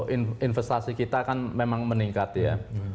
investasi kita kan memang meningkat ya